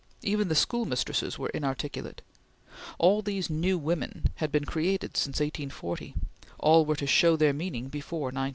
Even the schoolmistresses were inarticulate. All these new women had been created since 1840; all were to show their meaning before 1940.